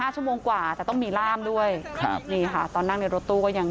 ชั่วโมงกว่าแต่ต้องมีล่ามด้วยนี่ค่ะตอนนั่งในรถตู้ก็ยัง